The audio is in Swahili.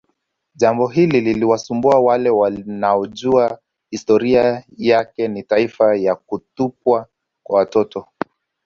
Jambo hili linawasumbua wale wanaojua historia yake ni taarifa za kutupwa kwa watoto